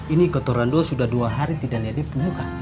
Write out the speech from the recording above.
ini ketoran dua sudah dua hari tidak liat dia punggung kak